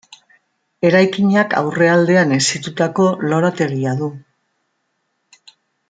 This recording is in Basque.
Eraikinak aurrealdean hesitutako lorategia du.